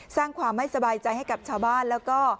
สร้างความไม่สบายใจให้กับชาวบ้านแล้วก็